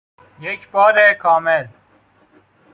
بک بار کامل